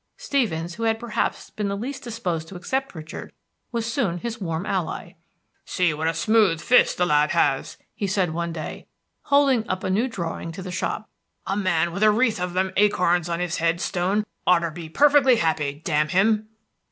Stevens, who had perhaps been the least disposed to accept Richard, was soon his warm ally. "See what a smooth fist the lad has!" he said one day holding up a new drawing to the shop. "A man with a wreath of them acorns on his head stone oughter be perfectly happy, damn him!"